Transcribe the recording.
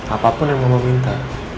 apapun yang mama minta